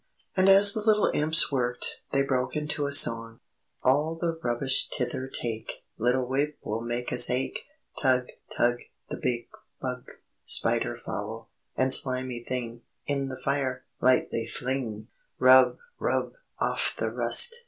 And as the little Imps worked, they broke into a song: "_All the rubbish Thither take! Little whip Will make us ache! Tug! Tug! The big bug, Spider foul, And slimy thing, In the fire, Lightly fling!_ "_Rub! Rub! Off the rust!